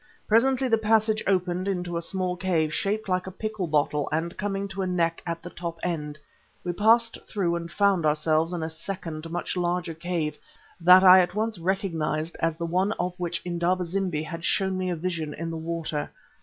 Presently the passage opened into a small cave, shaped like a pickle bottle, and coming to a neck at the top end. We passed through and found ourselves in a second, much larger cave, that I at once recognized as the one of which Indaba zimbi had shown me a vision in the water.